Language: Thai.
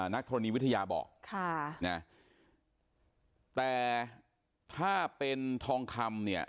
ธรณีวิทยาบอกค่ะนะแต่ถ้าเป็นทองคำเนี่ย